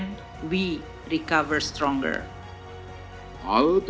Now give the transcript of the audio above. dan kita memperkuat lebih kuat